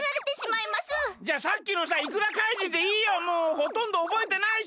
ほとんどおぼえてないし！